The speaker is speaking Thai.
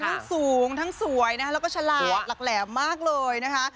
ทั้งสูงทั้งสวยนะคะแล้วก็ฉลาดหลักแหลมมากเลยนะคะ